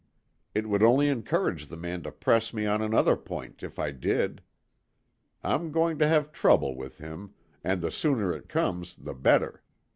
It would only encourage the man to press me on another point, if I did. I'm going to have trouble with him, and the sooner it comes the better.